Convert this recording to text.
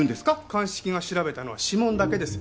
鑑識が調べたのは指紋だけです。